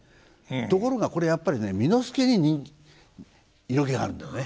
ところがこれやっぱりね簑助に色気があるんですね。